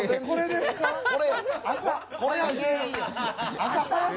これですか？